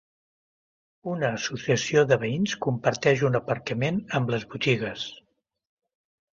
Una associació de veïns comparteix un aparcament amb les botigues.